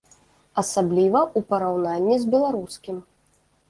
Асабліва ў параўнанні з беларускім.